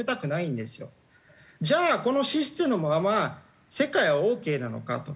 じゃあこのシステムのまま世界はオーケーなのかと。